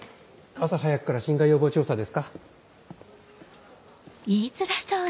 朝早くから侵害予防調査ですか。